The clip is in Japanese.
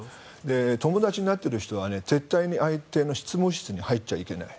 友達になっている人は絶対に相手の執務室に入っちゃいけない。